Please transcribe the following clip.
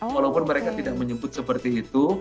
walaupun mereka tidak menyebut seperti itu